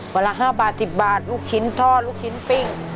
วันละ๕บาท๑๐บาทลูกชิ้นทอดลูกชิ้นปิ้ง